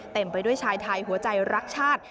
ไปด้วยชายไทยหัวใจรักชาติ